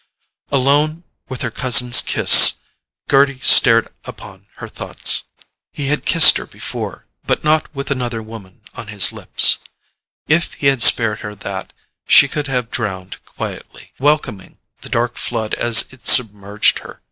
Alone with her cousin's kiss, Gerty stared upon her thoughts. He had kissed her before—but not with another woman on his lips. If he had spared her that she could have drowned quietly, welcoming the dark flood as it submerged her.